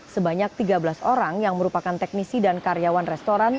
sebanyak tiga belas orang yang merupakan teknisi dan karyawan restoran